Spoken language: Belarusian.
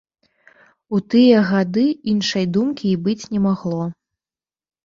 У тыя гады іншай думкі і быць не магло.